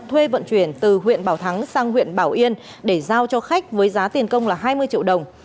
thuê vận chuyển từ huyện bảo thắng sang huyện bảo yên để giao cho khách với giá tiền công là hai mươi triệu đồng